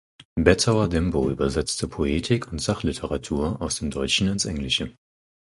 Bettauer Dembo übersetzte Poetik und Sachliteratur aus dem Deutschen ins Englische.